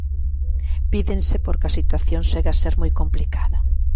Pídense porque a situación segue a ser moi complicada.